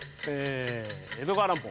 江戸川乱歩。